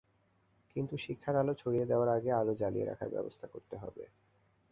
কিন্তু শিক্ষার আলো ছড়িয়ে দেওয়ার আগে আলো জ্বালিয়ে রাখার ব্যবস্থা করতে হবে।